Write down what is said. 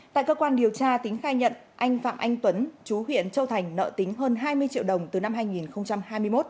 tại cơ quan điều tra tính khai nhận anh phạm anh tuấn chú huyện châu thành nợ tính hơn hai mươi triệu đồng từ năm hai nghìn hai mươi một